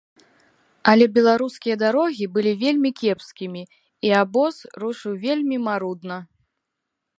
Але беларускія дарогі былі вельмі кепскімі, і абоз рушыў вельмі марудна.